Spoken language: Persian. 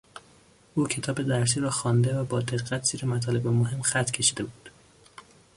او کتاب درسی را خوانده و با دقت زیر مطالب مهم خط کشیده بود.